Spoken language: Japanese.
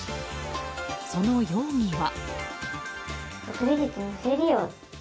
その容疑は。